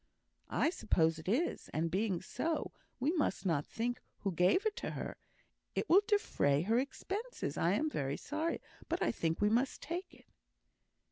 "I suppose it is; and being so, we must not think who gave it to her. It will defray her expenses. I am very sorry, but I think we must take it."